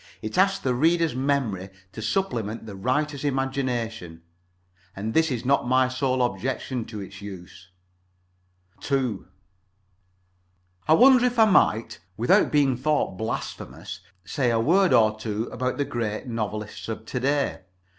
It asks the reader's memory to supplement the writer's imagination. And this is not my sole objection to its use. II I wonder if I might, without being thought blasphemous, say a word or two about the Great Novelists of to day.